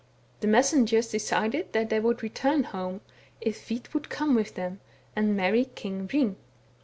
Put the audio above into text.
The messengers decided that they would return home, if Hvit would come with them and marry King Hring.